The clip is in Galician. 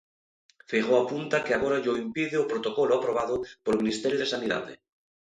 Feijóo apunta que agora llo impide o protocolo aprobado polo Ministerio de Sanidade.